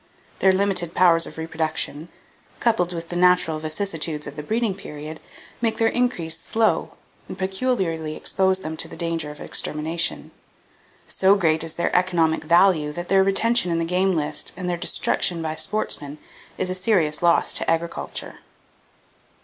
Their limited powers of reproduction, coupled with the natural vicissitudes of the breeding period, make their increase slow, and peculiarly expose them to danger of extermination. So great is their economic value that their retention in the game list and their destruction by sportsmen is a serious loss to agriculture."